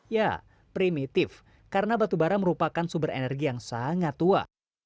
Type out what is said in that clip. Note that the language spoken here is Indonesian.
ya primitif karena batubara merupakan sumber energi yang sangat tua